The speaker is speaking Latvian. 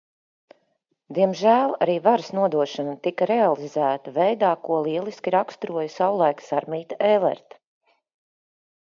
Diemžēl arī varas nodošana tika realizēta veidā, ko lieliski raksturoja savulaik Sarmīte Ēlerte.